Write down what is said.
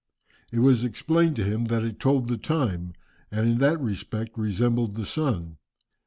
It was explained to him that it told the time, and in that respect resembled the sun.